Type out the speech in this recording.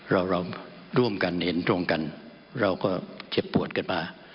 เราร่วมกันเห็นตรงกันเราก็เจ็บปวดกันมา